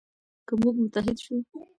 که موږ متحد شو.